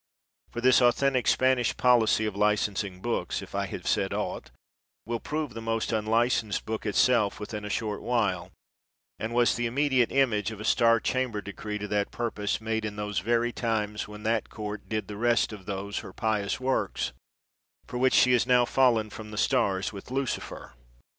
For this authen tic Spanish policy of licensing books, if I have said aught, will prove the most unlicensed book itself within a short while ; and was the immedi 114 MILTON ate image of a star chamber decree to that pur pose made in those very times when that Court did the rest of those her pious works, for which she is now fallen from the stars with Lucifer.